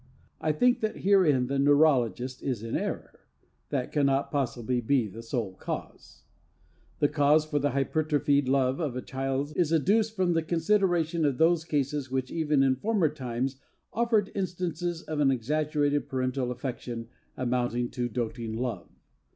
I think that herein the neurologist is in error. That cannot possibly be the sole cause. The cause for the hypertrophied love of the child is adduced from the consideration of those cases which even in former times offered instances of an exaggerated parental affection amounting to doting love.